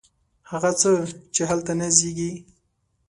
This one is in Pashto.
هغه څه، چې هلته نه زیږي